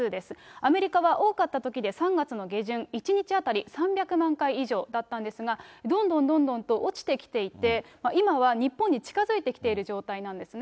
アメリカは多かったときで３月の下旬、１日当たり３００万回以上だったんですが、どんどんどんどんと落ちてきていて、今は日本に近づいてきている状況なんですね。